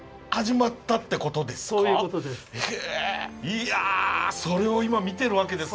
いやそれを今見てるわけですね。